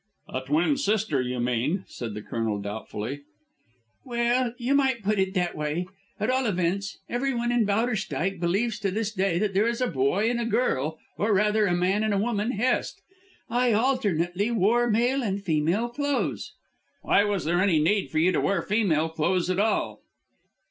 "A twin sister, you mean?" said the Colonel doubtfully. "Well, you might put it that way. At all events, everyone in Bowderstyke believes to this day that there is a boy and a girl, or, rather, a man and a woman Hest. I alternately wore male and female clothes." "Why was there any need for you to wear female clothes at all?"